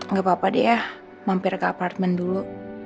nggak apa apa deh ya mampir ke apartemen dulu